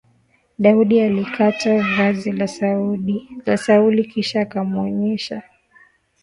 Daudi alikata vazi la Sauli kisha akamuonyesha.